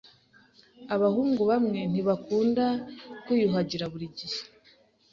Abahungu bamwe ntibakunda kwiyuhagira buri gihe.